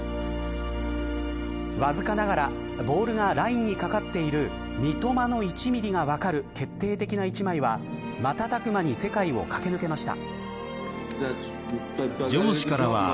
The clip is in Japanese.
わずかながらボールがラインにかかっている三笘の１ミリが分かる決定的な一枚は瞬く間に世界を駆け抜けました。